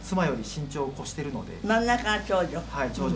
真ん中が長女？